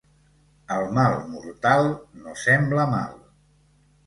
El mal mortal no sembla mal.